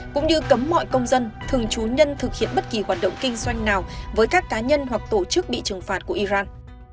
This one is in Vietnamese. cũng như cấm mọi công dân thường chú nhân thực hiện bất kỳ hoạt động kinh doanh nào với các cá nhân hoặc tổ chức bị trừng phạt của iran